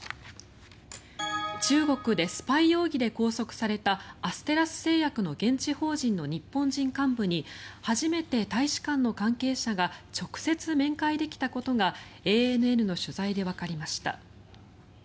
中国でスパイ容疑で拘束されたアステラス製薬の現地法人の日本人幹部に初めて大使館の関係者が直接面会できたことがＡＮＮの取材でわかりました。